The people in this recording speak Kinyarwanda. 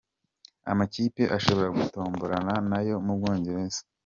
Amakipe ashobora gutomborana n’ayo mu Bwongereza:.